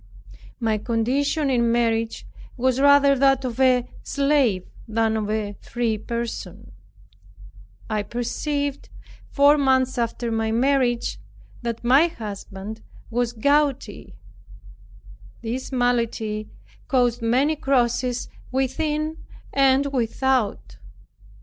My condition in marriage was rather that of a slave than of a free person. I perceived, four months after my marriage, that my husband was gouty. This malady caused many crosses within and without.